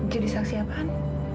jadi saksi apaan